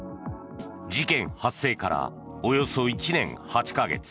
事件発生からおよそ１年８か月。